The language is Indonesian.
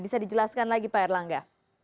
bisa dijelaskan lagi pak erlangga